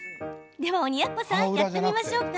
では鬼奴さんやってみましょう！